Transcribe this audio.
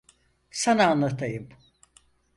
Sana anlatayım.